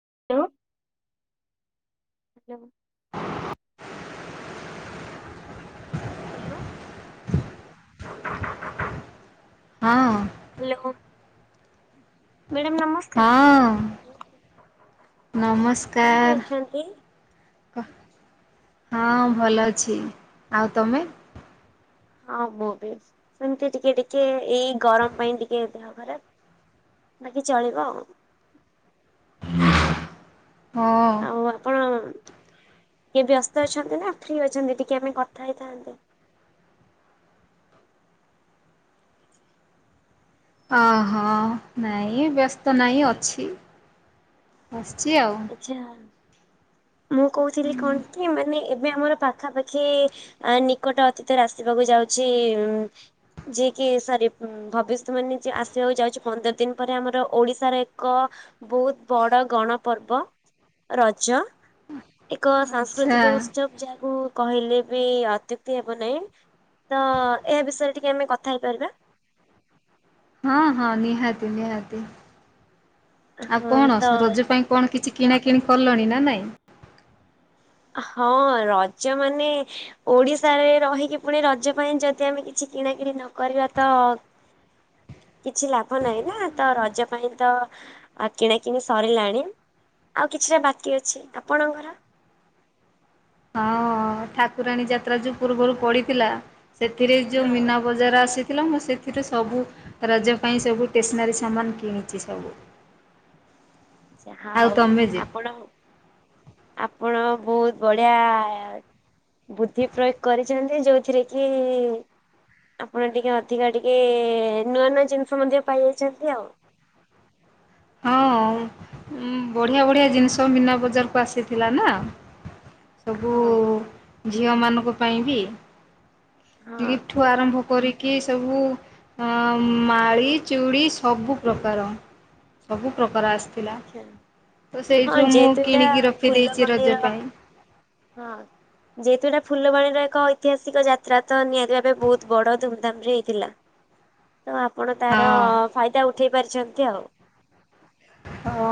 [unintelligible] [unintelligible] Hello ହଁ ହେଲେ ମୁଁ ମ୍ୟାଡ଼ାମ ନମସ୍କାର ହଁ କେମିତି ଅଛନ୍ତି? ନମସ୍କାର ହଁ ଭଲ ଅଛି ଆଉ ତମେ? ହଁ ମୁଁ ବି ସେମିତି ଟିକେ ଟିକେ ଏଇ ଗରମ ପାଇଁ ଟିକେ ଦେହ ଖରାପ। ବାକି ଚଳିବ ଆଉ। ହଁ ଆଉ ଆପଣ ଟିକେ ବ୍ୟସ୍ତ ଅଛନ୍ତି ନା ଫ୍ରି ଅଛନ୍ତି ଟିକେ ଆମେ କଥା ହେଇଥାନ୍ତେ। ଓହୋ ନାଇଁ ବ୍ୟସ୍ତ ନାହିଁ ଅଛି। ଆଉ ଆଛା ମୁଁ କହୁଥିଲି କଣ କି? ମାନେ ଏବେ ଆମର ପାଖାପାଖି ନିକଟ ଅତୀତରେ ଆସିବାକୁ ଯାଉଛି। ଉ ଯିଏ କି ସରି ଭବିଷ୍ୟତ ମାନେ ଆସିବାକୁ ଯାଉଛି। ପନ୍ଦର ଦିନ ପରେ ଆମର ଓଡିଶାର ଏକ ବହୁତ ବଡ ଗଣ ପର୍ବ ରଜ ଏକ ଆଚ୍ଛା ସାଂସ୍କୃତିକ ଉତ୍ସବ ଯାହାକୁ। କହିଲେ ବି ଅତ୍ୟୁକ୍ତି ହେବ ନାହିଁ। ତ ଏହା ବିଷୟରେ ଟିକେ ଆମେ କଥା ହେଇପାରିବା। ହଁ ହଁ ନିହାତି ନିହାତି। ଆଉ ହଁ କଣ ତ ରଜ ପାଇଁ କଣ କିଛି କିଣା କିିଣି କଲଣି ନା ନାଇଁ ହଁ ରଜ ମାନେ ଓଡିଶାରେ ରହିକି ପୁଣି ରଜ ପାଇଁ ଯଦି ଆମେ କିଛି କିଣାକିଣି ନକରିବା ତ କିଛି ଲାଭ ନାହିଁ ନା ତ ରଜ ପାଇଁ ତ କିଣାକିଣି ସରିଲାଣି। ଆଉ କିଛିଟା ବାକି ଅଛି ଆପଣଙ୍କର। ହଁ ଠାକୁରାଣୀ ଯାତ୍ରା ଯୋଉ ପୂର୍ବରୁ ପଡିଥିଲା। ସେଥିରେ ଯୋଉ ହଁ ମୀନା ବଜାର ଆସି ଥିଲା ମୁଁ ସେଥିରେ ସବୁ ରଜ ପାଇଁସବୁ ସ୍ଟେନ୍ନାରି ସାମନ କିଣିଛି ସବୁ ଯାହା ଆଉ ହଉ ତମେ ଯେ? ଆପଣଙ୍କ ଆପ ଆପଣ ବହୁତ ବଢିଆ ବୁଦ୍ଧି ପ୍ରୟୋଗ କରିଛନ୍ତି। ଯୋଉଥିରେ କି ଆପଣ ଟିକେ ଅଧିକା ଟିକେ ନୂଆ ନୂଆ ଜିନିଷ ମଧ୍ୟ ପାଇ ଯାଇଛନ୍ତି ଆଉ ହଁ ଉ ବଢ଼ିଆ ବଢ଼ିଆ ଜିନିଷ ମୀନା ବଜାରକୁ ଆସିଥିଲା ନା। ସବୁ ହଁ ଉ ଝିଅମାନଙ୍କ ପାଇଁ ବି ହଁ ଦିଫ୍ଟୁ ଆରମ୍ଭ କରି କି ସବୁ ମାଳି ଚୁଡ଼ି ସବୁ ପ୍ରକାର ସବୁ ପ୍ରକାର ଆସି ଆଚ୍ଛା ତ ହଁ ସେଇଠୁ ମୁଁ ଯେହେତୁ ଏଇଟା କିଣିକି ରଖିଦେଇଛି ଫୁଲବାଣୀର ରଜ ପାଇଁ। ହଁ ଯେହେତୁ ଏଇଟା ଫୁଲବାଣୀର ଏକ ଐତିହାସିକ ଯାତ୍ରା। ତ ନିହାତି ଭାବେ ବହୁତ ବଡ ଧୁମଧାମ ରେ ହେଇଥିଲା। ତ ଆପଣ ତାର ହଁ ଫାଇଦା ଉଠେଇ ପାରିଛନ୍ତି । ଯଉ ହଁ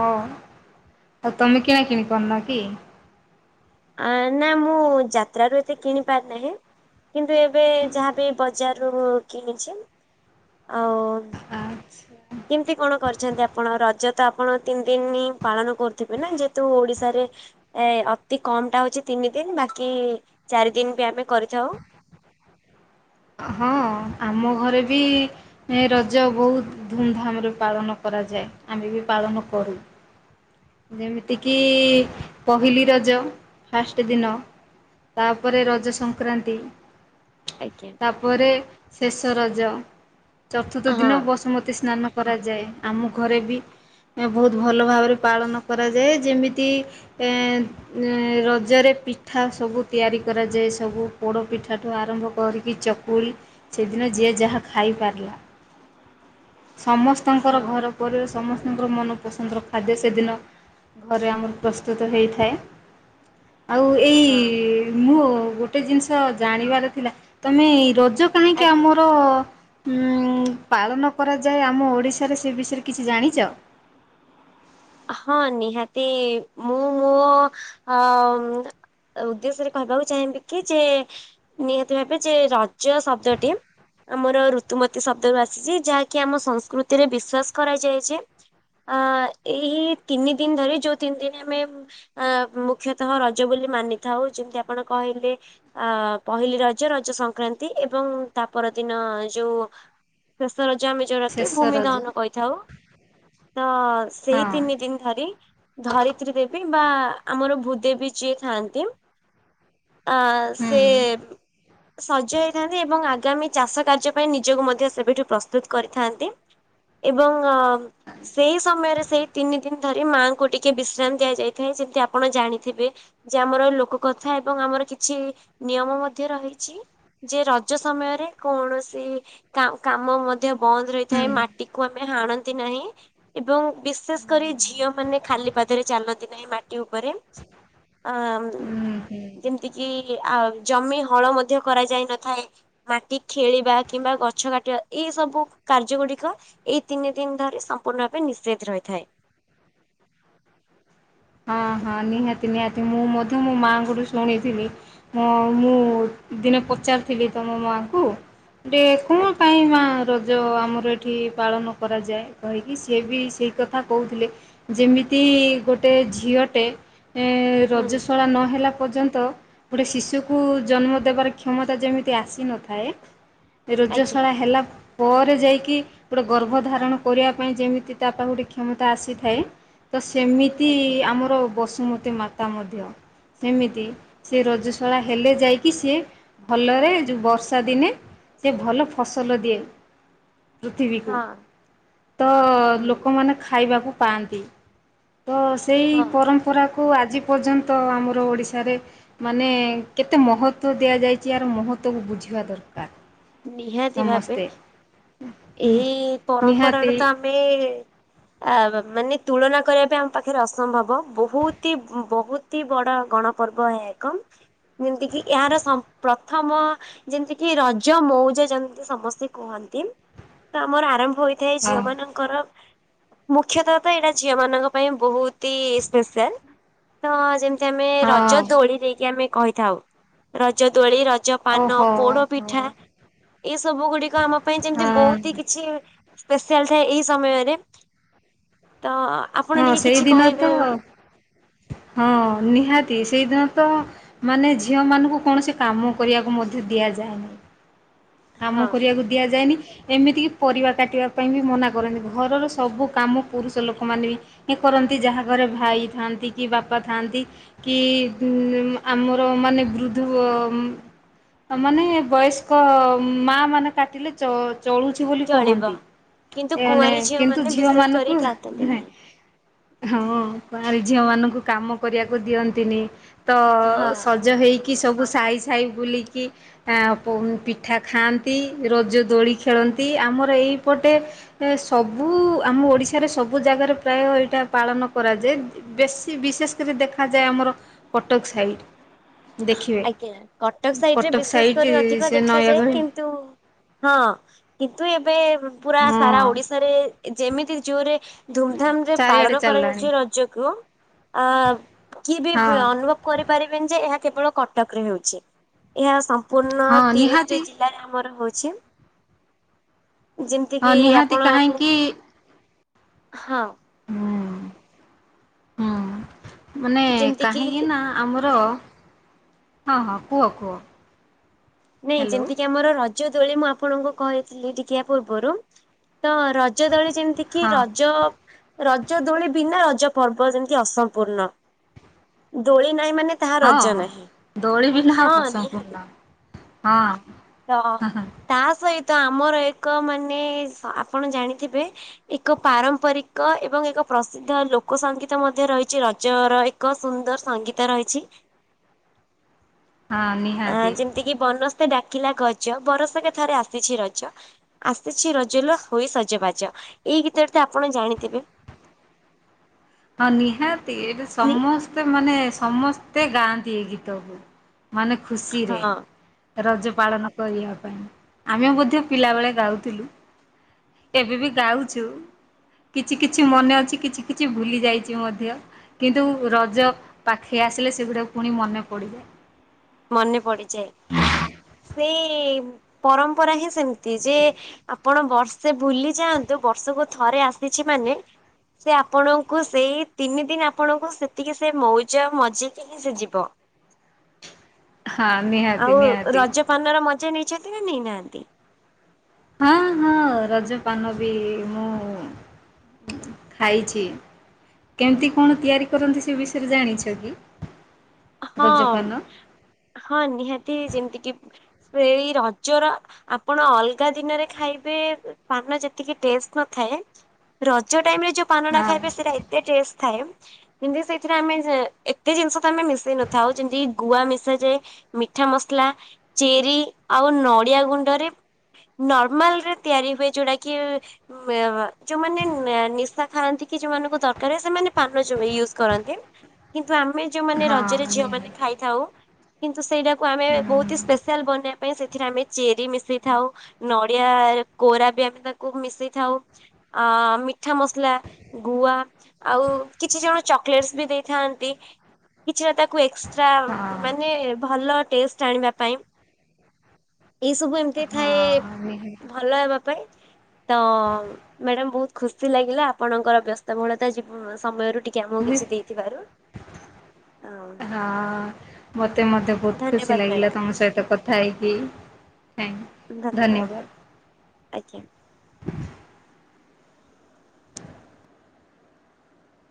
ଆଉ ତମେ କିଣା କିିଣି କରନା କି? ଆ ନା ମୁଁ ଯାତ୍ରାରୁ ଏତେ କିଣି ପାରିନାହିଁ କିନ୍ତୁ ଏବେ ଯାହାବି ବଜାରରୁ ମୁଁ କିଣିଛି ଆଉ ଆ କେମତି କଣ କରିଛନ୍ତି ଆପଣ ରଜ ତ ଆପଣ ତିନି ଦିନ ପାଳନ କରୁଥିବେ ନା ଯେହେତୁ ଓଡିଶାରେ ଏ ଅତି କମ ଟା ହଉଛି ତିନି ଦିନ ବାକି ଚାରି ଦିନ ବି ଆମେ କରିଥାଉ । ହଁ ଆମ ଘରେ ବି ରଜ ବହୁତ ଧୁମଧାମରେ ପାଳନ କରାଯାଏ। ଆମେ ବି ପାଳନ କରୁ ଯେମିତିକି ପହିଲି ରଜ ଫାଷ୍ଟ ଦିନ ତାପରେ ରଜ ସଂକ୍ରାନ୍ତି । ଆଜ୍ଞା । ତାପରେ ଶେଷ ରଜ । ଚତୁର୍ଥ ହଁ ଦିନ ବସୁମତୀ ସ୍ନାନ କରାଯାଏ ଆମ ଘରେ ବି ବହୁତ ଭଲ ଭାବରେ ପାଳନ କରାଯାଏ ଯେମିତି ରଜରେ ପିଠା ସବୁ ତିଆରି କରାଯାଏ ସବୁ ପୋଡ଼ ପିଠାଠୁ ଆରମ୍ଭ କରି ଚକୁଳି ସେଦିନ ଯିଏ ଯାହା ଖାଇପାରିଲା । ସମସ୍ତଙ୍କର ହଁ ଘର ପରିବା ସମସ୍ତ ର ମନପସନ୍ଦର ଖାଦ୍ୟ ସେଦିନ ଘରେ ଆମର ପ୍ରସ୍ତୁତ ହୋଇଥାଏ । ଆଉ ଏଇ ହଁ ମୁଁ ଗୋଟେ ଜିନିଷ ଜାଣିବାର ଥିଲା ତମେଇ ର ଯୋଉ କାହିଁକି ଆଜ୍ଞା। ଆମର ପାଳନ କରାଯାଏ ଆମ ଓଡ଼ିଶାରେ ସେ ବିଷୟରେ କିଛି ଜାଣିଛ । ହଁ ନିହାତି ମୁଁ ମୋ ଅ ଉଦ୍ଦେଶ୍ୟରେ କହିବାକୁ ଚାହିଁବି କି ଯେ ନିହାତି ଭାବେ ଯେ ରଜ ଶବ୍ଦଟି ଆମର ଋତୁମତୀ ଶବ୍ଦରୁ ଆସିଛି ଯାହାକି ଆମ ସଂସ୍କୃତିରେ ବିଶ୍ଵାସ କରାଯାଇଛି ଯେ ଆ ଏଇ ତିନି ଦିନ ଧରି ଯୋଉ ତିନି ଦିନ ଆମେ ଅ ମୁଖ୍ୟତଃ ରଜ ବୋଲି ମାନିଥାଉ ଯେମିତି ଆପଣ କହିଲେ ଅ ପହିଲି ରଜ ରଜ ସଂକ୍ରାନ୍ତି ଏବଂ ତା ପରର ଦିନ ଯୋଉ ସରଜମେ ଯୋଉଡା କି ଶେଷ ଭୂମି ରଜ ଦହନ କହିଥାଉ ତ ସେଇ ହଁ ତିନି ଦିନ ଧରି ଧରିତ୍ରୀ ଦେବୀ ବା ଆମର ଭୂଦେବୀ ଯିଏ ଥାଆନ୍ତି ଅ ହୁଁ ସେ ସଜ ହେଇଥାନ୍ତି ଏବଂ ଆଗାମୀ ଚାଷ କାର୍ଯ୍ୟ ପାଇଁ ନିଜକୁ ମଧ୍ୟ ସେବେଠୁ ପ୍ରସ୍ତୁତ କରିଥାନ୍ତି ଏବଂ ସେଇ ସମୟରେ ସେଇ ତିନି ଦିନ ଧରି ମାଆଙ୍କୁ ଟିକେ ବିଶ୍ରାମ ଦିଆଯାଇଥାଏ ଯେମିତି ଆପଣ ଜାଣିଥିବେ ଯେ ଆମର ଲୋକ କଥା ଏବଂ ଆମର କିଛି ନିୟମ ମଧ୍ୟ ରହିଛି ଯେ ରଜ ସମୟରେ କୌଣସି କାମ ମଧ୍ୟ ବନ୍ଦ ହୁଁ ରହିଥାଏ ମାଟିକୁ ଆମେ ହାଣନ୍ତି ନାହିଁ ଏବଂ ବିଶେଷ କରି ଝିଅ ମାନେ ଖାଲି ପାଦରେ ଚାଲନ୍ତି ନାହିଁ ମାଟି ଉପରେ ହୁଁ ହୁଁ। ଯେମିତି କି ଜମି? ହଳ ମଧ୍ୟ କରାଯାଇ ନଥାଏ ମାଟି ଖେଳିବା କିମ୍ବା ଗଛ କାଟିବା ଏଇ ସବୁ କାର୍ଯ୍ୟ ଗୁଡିକ ଏଇ ତିନି ଦିନ ଧରି ପୂର୍ଣ ଭା ନିଷେଧହିଛି ହଁ। ହଁ ନିହାତି ନିହାତି ମୁଁ ମଧ୍ୟ ମୋ ମାଆଙ୍କଠୁ ଶୁଣିଥିଲି ମୁଁ ଦିନେ ପଚାରିଥିଲି ତମ ମାଆଙ୍କୁ ଟେ କଣ ଆଜ୍ଞା ପାଇଁ ମା ରୋଗୀ। ଯେଉଁ ଆମର ଏଇଠି ପାଳନ କରାଯାଏ। କହିକି ସିଏ ବି ସେଇ କଥା କହୁଥିଲେ ଯେମିତି ଗୋଟେ ଝିଅଟେ। ଏ ହୁଁ ରଜଶଳା ନ ହେଲା। ପର୍ଯ୍ୟନ୍ତ ଗୋଟେ ଶିଶୁକୁ ଜନ୍ମ ଦେବାର କ୍ଷମତା ଯେମିତି ଆସିନଥାଏ। ରଜ ଆଜ୍ଞା ଶଳା ହେଲା ପରେ ଯାଇକି ଗୋଟେ ଗର୍ଭଧାରଣ। କରିବା ପାଇଁ ଯେମିତି ତା ପାଖ ଗୋଟେ କ୍ଷମତା ଆସିଥାଏ। ତ ସେମିତି ଆଜ୍ଞା ଆମର ବସ ମାତା ମଧ୍ୟ ସେମିତି ସେ ରଜଶଳା ହେଲେ ଯାଇକି ସିଏ ଭଲରେ ବର୍ଷା ଦିନେ ଭଲ ଫସଲ ଦିଏ। ପୃଥିବୀକୁ। ହଁ ତ ହୁଁ ଲୋକମାନେ ଖା ଖାଇବାକୁ ପାଆନ୍ତି। ତ ସେଇ ହଁ। ପରମ୍ପରାକୁ। କୁ ଆଜି ପର୍ଯ୍ୟନ୍ତ ଆମର ଓଡ଼ିଶାରେ ମାନେ କେତେ ମହତ୍ଵ ଦିଆଯାଇଛି ଏହାର ମହତ୍ତ୍ଵକୁ ବୁଝିବା ଦରକାର। ନିହାତି ଭାବେ ସମସ୍ତେ ଏହି ନିହାତି ପରମ୍ପରାର। ତମେ ଆମେ ମାନେ ତୁଳନା କରିବା ପାଇଁ ଆମ ପାଖରେ ଅସମ୍ଭବ ବହୁତି ବହୁତି ବଡ ଗଣପର୍ବ ଏହା ଏକ ଯେମିତି କିି ଏହାର ପ୍ରଥମ ଯେମତି କିି ରଜ। ମଉଜ ଯେମିତି ସମସ୍ତେ କୁହନ୍ତି ତ ଆମର ଆରମ୍ଭ। ହୋଇଥାଏ ଝିଅ ହଁ ମାନଙ୍କର। ମୁଖ୍ୟତ ତ ଏଇଟା ଝିଅ ମାନଙ୍କ ପାଇଁ ବହୁତି ସ୍ପେଶାଲ ତ ଯେମତି। ଆମେ ରଜ ହଁ ଦୋଳି ଦେଇକି ଆମେ। କହିଥାଉ ରଜ ଦୋଳି ରଜ ରଜ ପାନ ଓହୋ ପୋଡ ହୋ ପିଠା। ଏଇ ସବୁ ଗୁଡିକ ଆମ ପାଇଁ ଯେମିତି ହଁ ବହୁତି କିଛି। ସ୍ପସିଆଲ ଥାଏ ଏଇ ସମୟରେ। ତ ଆପଣ ହଁ ଟିକେ କିଛି ସେଇଦିନ କହିବେ ତ ହଁ ନିହାତି ସେଇଦିନ। ତ ମାନେ ଝିଅ ମାନଙ୍କୁ କୌଣସି କାମ କରିବାକୁ ମଧ୍ୟ ଦିଆଯାଏ ନାହିଁ। କାମ ହଁ କରିବାକୁ ଦିଆଯାଏନି। ଏମିତିକି ପରିବା କାଟିବା ପାଇଁ ବି ମନା କରନ୍ତି ଘରର ସବୁ କାମ ପୁରୁଷ ଲୋକମାନେ ବି କରନ୍ତି ଯାହା ଘରେ ଭାଇ ଥାଆନ୍ତି କି ବାପା ଥାଆନ୍ତି କି ଆମର ମାନେ ବୃଦ୍ଧ ମାନେ ବୟସ୍କ ମା ମାନେ କାଟିଲେ ଚଳୁଛି ବୋଲି ଚଳିବ। କହନ୍ତି କିନ୍ତୁ ଏନେ କୁଆଁରୀ କିନ୍ତୁ ମାନେ ଝିଅ ବିଶେଷ କରି ମାନଙ୍କୁ। କାଟନ୍ତି ନାହିଁ ହଁ କୁଆଁରୀ ଝିଅ ମାନଙ୍କୁ କାମ କରିବାକୁ ଦିଅନ୍ତିନି। ତ ହଁ। ସଜ ହେଇକି। ଇଏ ସବୁ ସାଇ ସାଇ ବୁଲିକି ପୋ ପଠା ଖାଆନ୍ତି ରଜ ଦୋଳି ଖେଳନ୍ତି ଆମର ଏଇପଟେ ସବୁ ଆମ ଓଡ଼ିଶାରେ ସବୁ ଜାଗାରେ ପ୍ରାୟ ଏଇଟା ପାଳନ କରାଯାଏ ବେଶୀ ବିଶେଷ କରି ଦେଖାଯାଏ ଆମର କଟକ ସାଇଟ୍। ଦେଖିବେ ଆଜ୍ଞା କଟକ ସାଇଟ୍ ରେ କଟକ ବିଶେଷ ସାଇଟ୍ କରି ଅଧିକ ସେ ଦେଖାଯାଏ। ନୟାଗଡ଼ କିନ୍ତୁ ହଁ କି ଏବେ। ହଁ ପୁରା ସାରା ହଁ ଓଡିଶାରେ ଯେମିତି ଜୋରେ ଧୁମଧାମରେ ଚାରିଆଡେ ପାଳନ ଚାଲିଲାଣି କରାଯାଉଚି ରଜକୁୁ ଆ କିଏ ବି ହଁ ଅନୁଭବ କରିପାରିବେନି ଯେ ଏହା କେବଳ କଟକରେ ହେଉଚି। ଏହା ସମ୍ପୂର୍ଣ୍ଣ ତିରିଶଟି ଜିଲ୍ଲାରେ ଆମର ହୋଉ ଛିମ୍ ହଁ ନିହାତି ଆପଣ ମୁଁ କାହିଁକି ହଁ। ହୁଁ ହୁଁ ମାନେ ଯେମିତି କିି କାହିଁକି ନାଁ ଆମର ହଁ ହଁ କୁହ କୁହ। ନାଇଁ ହ୍ୟାଲୋ ଯେମତି କି ଆମର ର ଜ ଦୋଳି ମୁଁ ଆପଣଙ୍କୁ କହିଥିଲି ଟିକି ଆ ପୂର୍ବରୁ। ତ ରଜ ଦୋଳି ଯେମତି କିି ହଁ ରଜ ରଜ ଦୋଳି ବିନା ରଜ ପର୍ବ ଯେମତି ଅସମ୍ପୂର୍ଣ୍ଣ ଦୋଳି ନାହିଁ ମାନେ ତାହା ହଁ ରଜ ନାହିଁ। ଦୋଳି ବିନା ହଁ ନିହାତି। ଅସମ୍ପୂର୍ଣ୍ଣ। ହଁ। ତ ତା ସଇ ତ ଆମର ଏକ ମାନେ ଆପଣ ଜାଣିଥିବେ ଏକ ପାରମ୍ପରିକ ଏବଂ ଏକ ପ୍ରସିଦ୍ଧ ଲୋକ ସଙ୍ଗୀତ ମଧ୍ୟ ରହିଚି ରଜର ଏକ ସୁନ୍ଦର ସଙ୍ଗୀତ ରହିଚି। ହଁ ଆ ନିହାତି ଯେମତି କି ବନସ୍ ତେ ଡାକିଲା ଗଜ ବରଷକେ ଥରେ ଆସିଛି ରଜ ଆସିଛି ରଜ ଲୋ ହୋଇ ସଜବାଜ ଏଇ ଗୀତଟି ତ ଆପଣ ଜାଣିଥିବେ। ହଁ ନିହାତି ଏବେ ନି ସମସ୍ତେ ମାନେ ସମସ୍ତେ ଗାଆନ୍ତି ଏଇ ଗୀତକୁ। ମାନେ ଖୁସିରେ। ହଁ ରଜ ପାଳନ କରିବା ପାଇଁ ଆମେ ମଧ୍ୟ ପିଲାବେଳେ ଗାଉଥିଲୁ ଏବେ ବି ଗାଉଚୁ। କିଛି କିଛି ମନେ ଅଛି କିଛି କିଛି ଭୁଲି ଯାଇଚି ମଧ୍ୟ କିନ୍ତୁ ରଜ ପାଖେଇ ଆସିଲେ ସେଗୁଡା ପୁଣି ମନେ ପଡିଯାଏ। ମନେ ପଡିଯାଏ ସେଇ ଇ ପରମ୍ପରା ହିଁ ସେମି ତି ଯେ ଆ ଆପଣ ବର୍ଷେ ବୁଲି ଯାଆନ୍ତୁ ବର୍ଷକୁ ଥରେ ଆସିଛି ମାନେ ସେ ଆପଣଙ୍କୁ ସେଇ ତିନି ଦିନି ଆପଣଙ୍କୁ ସେତିକି ସେ ମୋଉଜା ମଜିକି ହିଁ ସେ ଯିବ। ହଁ ନିହାତି ଆଉ ନିହାତି ରଜ ପାନର ମ ଜା ନେଇଛନ୍ତି ନାଁ ନେଇନାହାନ୍ତି? ହଁ ହଁ ରଜପାନ ବି ମୁଁ ଖାଇଚି। କେମିତି କଣ ତିଆରି କରନ୍ତି ସେ ବିଷୟରେ ଜାଣିଚ କି? ହଁ ରଜପାନ? ହଁ ନିହାତି ଯେମତି କିି ସେଇ ରଜର ଆପଣ ଅଲଗା ଦିନରେ ଖାଇବେ ପାନ ଯେତିକି ଟେଷ୍ଟ ନଥାଏ ରଜ ଟାଇମରେ ଯୋଉ ପାନଟା ହଁ ଖାଇବେ ସେଟା ଏତେ ଟେଷ୍ଟ ଥାଏ ଯେମତି ସେଇଥିରେ ଆମେ ଯେ ଏତେ ଜିନିଷ ତ ଆମେ ମିଶ଼ ନଥାଉ ଯେମିତି ଗୁଆ ମିଶା ଯାଏ ମିଠା ମସଲା ଚେରି ଆଉ ନଡ଼ିଆ ଗୁଣ୍ଡରେ ନର୍ମାଲରେ ତିଆରି ହୁଏ ଯଉଟା କି ଯୋଉମାନେ ନିଶା ଖାଆନ୍ତି କି ଯୋଉମାନଙ୍କୁ ଦରକାରୁ ସେମାନେ ପାନ ଚୁବେ ୟୁଜ କରନ୍ତି। ଆମେ ଯୋଉମାନେ ହଁ ର ଝିଅମାନେ ନିହାତି ଖାଇଥାଉ। କିନ୍ତୁ ସେଇ ଟା କୁ ଆମେ ହୁଁ ବହୁତି ହି ସ୍ପେଶାଲ ବନେଇବା ପାଇଁ ସେ ସେଥିରେ ଆମେ ଚେ ରି ମିଶେଇଥାଉ ନଡିଆ କୋରା ବି ଆମେ ତାକୁ ମିସେଇ ଥାଉ ଆଁ ମିଠା ମସଲା ଗୁଆ ଆଉ କିଛି ଜଣ ଚକଲେଟସ୍ ବି ଦେଇଥାନ୍ତି। ତାକୁ ଏକ୍ସଟ୍ରା ହଁ ମାନେ ଭଲ ଟେଷ୍ଟ ଆଣିବା ପାଇଁ ଏଇ ସବୁ ଏମିତି ଥାଏ ହଁ ନିହାତି ଭଲ ହେବା ପାଇଁ। ତ ମ୍ୟାଡାମ ବହୁତ ଖୁସି ଲାଗିଲା ଆପଣଙ୍କର ବ୍ୟସ୍ତବହୁଳତା ଯିବ ସମୟରୁ ଟିକେ ଆମକୁ ମୁଁ କିଛି ଦେଇଥିବାରୁ। ହଁ ମତେ ମତେ ବହୁତ ଖୁସି ଧନ୍ୟବାଦ ଲାଗିଲା ମ୍ୟାଡ଼ାମ ତମ ସହିତ କଥା ହେଇକି ଥା ଧନ୍ୟବାଦ ଆଜ୍ଞା।